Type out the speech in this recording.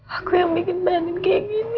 aku yang bikin banding kayak gini